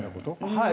はい。